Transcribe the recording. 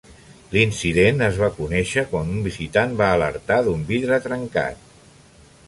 L'incident es va conèixer quan un visitant va alertar d'un vidre trencat.